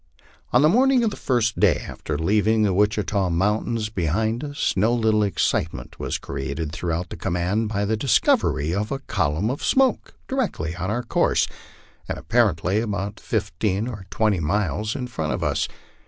On the morning of the first day after leaving the Witchita mountains be hind us, no little excitement was created throughout the command by the discovery of a column of smoke directly on our course, and apparently about fifteen or twenty miles in front of us.